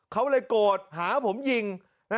เขาเลยโกรธหาผมยิง